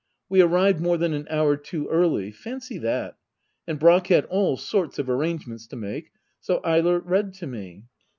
We arrived more than an hour too early — fancy that ! And Brack had all sorts of arrangements to make — so Eilert read to me.